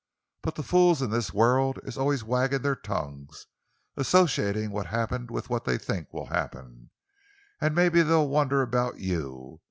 But the fools in this world is always waggin' their tongues, associatin' what's happened with what they think will happen. An' mebbe they'll wonder about you.